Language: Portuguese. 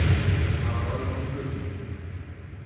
A voz não surgiu.